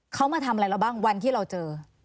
เขามาทำอะไรเราบ้างวันที่เราเจอ